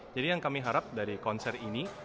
jadi yang kami harap dari konser ini